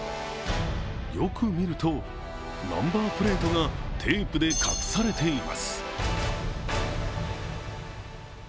よく見ると、ナンバープレートがテープで隠されています。